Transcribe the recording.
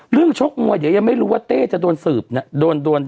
เรื่องชกมวยเยอะยังไม่รู้ว่าเต้จะโดนสืบเนี่ย